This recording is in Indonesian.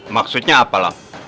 maksudnya apa lam